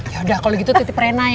yaudah kalau gitu titip rena ya